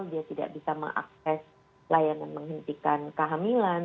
dia tidak bisa mengakses layanan menghentikan kehamilan